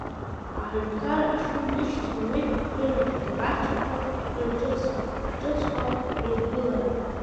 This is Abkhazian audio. Аҳәынҭқарра хшыҩзышьҭра ду рынаҭоит абаҳчақәа рырҿыцра, аҿыцқәа рыргылара.